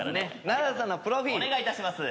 ナダルさんのプロフィールお願いいたします